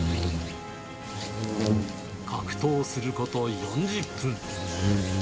格闘すること４０分。